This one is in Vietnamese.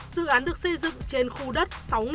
dự án được xây dựng trên khu đất